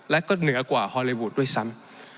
และก็เหนือกว่าฮอลลีวูดด้วยซ้ำ